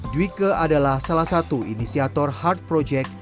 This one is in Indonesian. dwike adalah salah satu inisiator hard project